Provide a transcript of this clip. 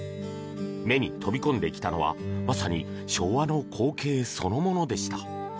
目に飛び込んできたのはまさに昭和の光景そのものでした。